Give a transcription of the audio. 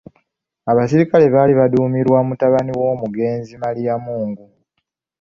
Abaserikale baali badduumirwa mutabani w'omugenzi Maliyamungu.